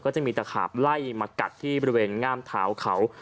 จะมีตะขาบไล่มากัดที่บริเวณงามเท้าเขา